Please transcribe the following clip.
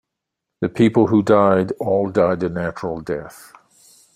The people who died all died a natural death.